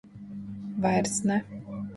Vairs ne.